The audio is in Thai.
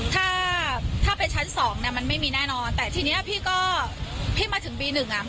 ถ้าถ้าเป็นชั้นสองเนี่ยมันไม่มีแน่นอนแต่ทีนี้พี่ก็พี่มาถึงปีหนึ่งอ่ะ